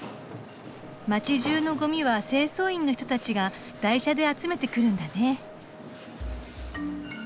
街じゅうのゴミは清掃員の人たちが台車で集めてくるんだね。